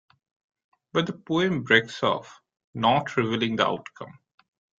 But the poem breaks off, not revealing the outcome.